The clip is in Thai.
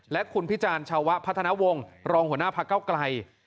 และคุณพิจารณ์ชาวะพัฒนาวงศ์รองหัวหน้าพักเก้าไกล